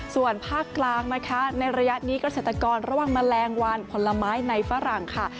ส่วนภาคกลางนะคะในระยะนี้เกษตรกรระวังแมลงวันผลไม้ในฝรั่งค่ะ